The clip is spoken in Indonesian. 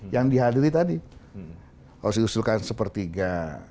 yang dihadiri tadi harus diusulkan sepertiga